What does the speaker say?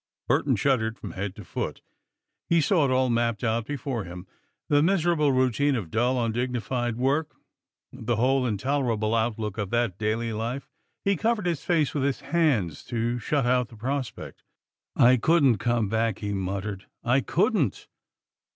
Burton shuddered from head to foot. He saw it all mapped out before him the miserable routine of dull, undignified work, the whole intolerable outlook of that daily life. He covered his face with his hands to shut out the prospect. "I couldn't come back!" he muttered "I couldn't!"